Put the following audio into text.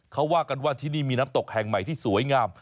เขาว่ากันว่าที่นี่มีน้ำตกแห่งใหม่ที่สวยงาม